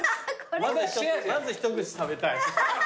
まず一口食べたい。